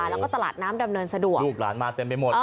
แล้วก็ตลาดน้ำดำเนินสะดวกลูกหลานมาเต็มไปหมด